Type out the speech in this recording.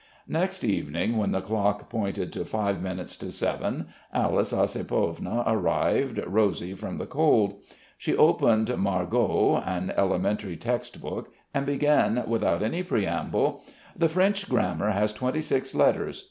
Next evening when the clock pointed to five minutes to seven, Alice Ossipovna arrived, rosy from the cold; she opened Margot (an elementary text book) and began without any preamble: "The French grammar has twenty six letters.